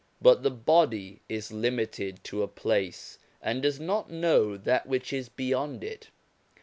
But the body is limited to a place, and does not know that which is beyond it.